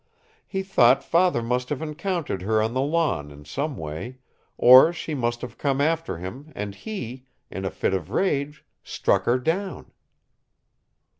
He thought father must have encountered her on the lawn in some way, or she must have come after him, and he, in a fit of rage, struck her down."